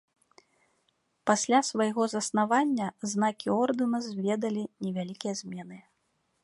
Пасля свайго заснавання знакі ордэна зведалі невялікія змены.